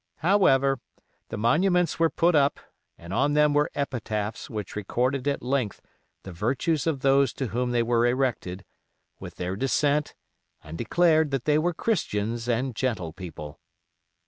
However, the monuments were put up, and on them were epitaphs which recorded at length the virtues of those to whom they were erected, with their descent, and declared that they were Christians and Gentlepeople.